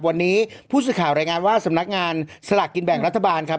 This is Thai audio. วันนี้ผู้สื่อข่าวรายงานว่าสำนักงานสลากกินแบ่งรัฐบาลครับ